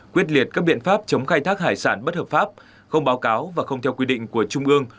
quyết liệt các biện pháp chống khai thác hải sản bất hợp pháp không báo cáo và không theo quy định của trung ương